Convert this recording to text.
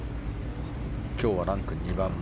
今日はランク２番目。